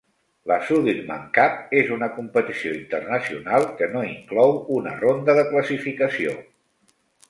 La Sudirman Cup és una competició internacional que no inclou una ronda de classificació.